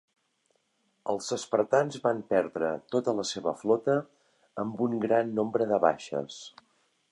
Els espartans van perdre tota la seva flota, amb un gran nombre de baixes.